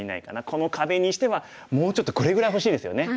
この壁にしてはもうちょっとこれぐらい欲しいですよね。